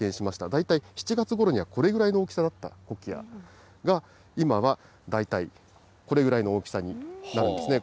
大体７月ごろにはこれぐらいの大きさだったコキアが、今は大体これぐらいの大きさになるんですね。